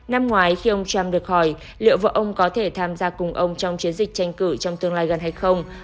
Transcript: năm ngoái khi ông trump được hỏi liệu vợ ông có thể tham gia cùng ông trong chiến dịch tranh cử trong tương lai gần hay không